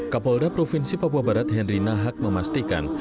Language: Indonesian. kapolda provinsi papua barat henry nahak memastikan